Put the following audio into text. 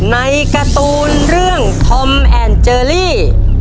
ในการ์ตูนเรื่องธอมแอนเจอรี่